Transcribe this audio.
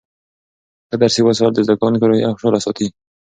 ښه درسي وسایل د زده کوونکو روحیه خوشحاله ساتي.